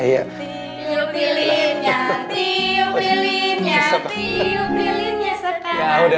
tiu pilihnya tiu pilihnya tiu pilihnya sekarang juga